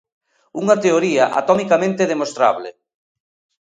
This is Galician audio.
Unha teoría atomicamente demostrable.